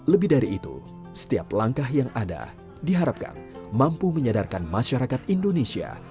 lebih dari itu setiap langkah yang ada diharapkan mampu menyadarkan masyarakat indonesia